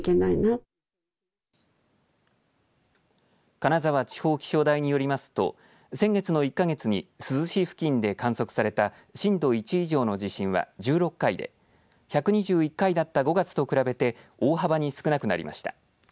金沢地方気象台によりますと先月の１か月に珠洲市付近で観測された震度１以上の地震は１６回で１２１回だった５月と比べて大幅に少なくなりました。